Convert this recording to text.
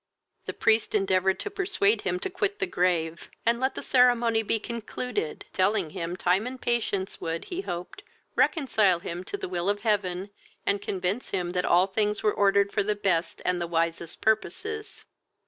The priest endeavoured to persuade him to quit the grave, and let the ceremony be concluded, telling him, time and patience would, he hoped, reconcile him to the will of heaven, and convince him that all things were ordered for the best and the wisest purposes.